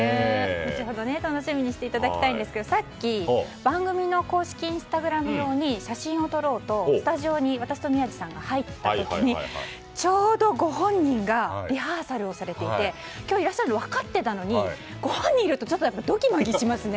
後ほど楽しみにしていただきたいんですがさっき、番組の公式インスタグラム用に写真を撮ろうとスタジオに私と宮司さんが入った時にちょうどご本人がリハーサルをされていて今日、いらっしゃるのが分かっていたのにご本人がいるとちょっと、どぎまぎしますね。